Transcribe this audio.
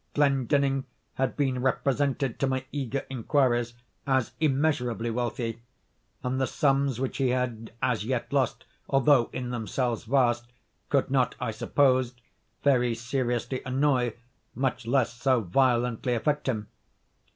Glendinning had been represented to my eager inquiries as immeasurably wealthy; and the sums which he had as yet lost, although in themselves vast, could not, I supposed, very seriously annoy, much less so violently affect him.